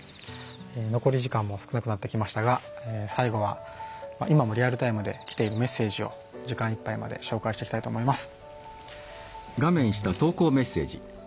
残り時間も少なくなってきましたが最後は、今もリアルタイムできているメッセージを時間いっぱいまで紹介していきたいと思います。